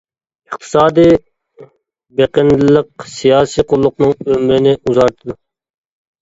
ئىقتىسادىي بېقىندىلىق سىياسىي قۇللۇقنىڭ ئۆمرىنى ئۇزارتىدۇ.